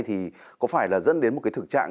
thì có phải là dẫn đến một cái thực trạng